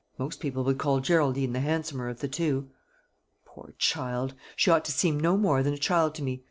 Most people would call Geraldine the handsomer of the two. Poor child! She ought to seem no more than a child to me.